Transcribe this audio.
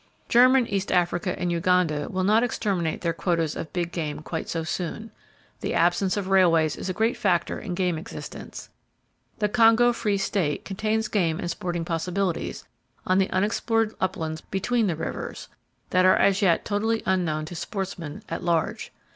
German East Africa and Uganda will not exterminate their quotas of big game quite so soon. The absence of railways is a great factor in game existence. The Congo Free State contains game and sporting possibilities—on the unexplored uplands between the rivers,—that are as yet totally unknown to sportsmen at large.